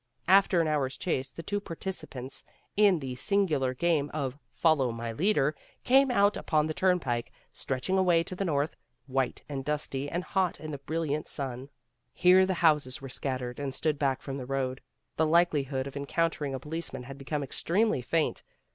After an hour's chase the two participants in the singu lar game of " Follow my Leader," came out upon the turnpike, stretching away to the north, white and dusty and hot in the brilliant sun. Here the houses were scattered and stood back from the road. The likelihood of encountering a policeman had become extremely faint.